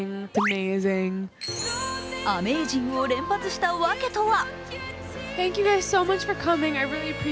アメージングを連発したわけとは？